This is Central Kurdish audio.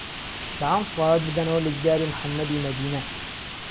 به عام سڵاوات بدهنهوه له دیداری محهممهدیمهدينه.